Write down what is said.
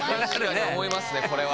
確かに思いますねこれは。